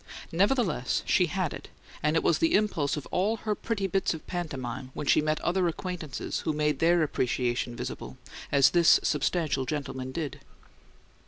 Nevertheless, she had it, and it was the impulse of all her pretty bits of pantomime when she met other acquaintances who made their appreciation visible, as this substantial gentleman did.